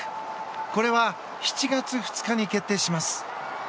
これは７月２日に決定します。